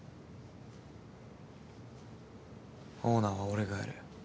オーナーは俺がやる。